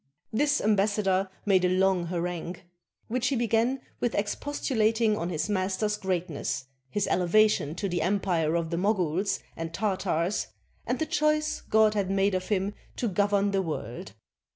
This ambassador made a long harangue, 93 CHINA which he began with expostulating on his master's greatness, his elevation to the empire of the Moguls and Tartars, and the choice God had made of him to govern the world.